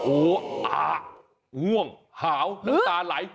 โอ๊ะง่วงหาวน้ำตาไหล